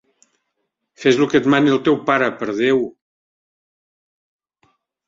Fes lo que et mani el teu pare, per Déu!